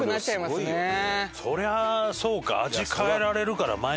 そりゃそうか。